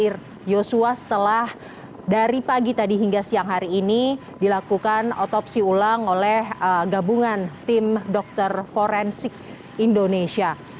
dari yosua setelah dari pagi tadi hingga siang hari ini dilakukan otopsi ulang oleh gabungan tim dokter forensik indonesia